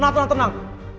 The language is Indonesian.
tenang tenang tenang